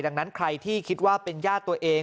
ดังนั้นใครที่คิดว่าเป็นญาติตัวเอง